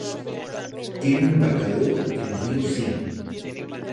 Tiene un embarcadero en el río Sil.